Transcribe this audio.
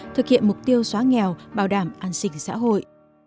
thực hiện mục tiêu xóa nghèo bảo đảm an sinh xã hội